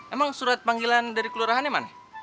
emang surat panggilan dari kelurahannya mana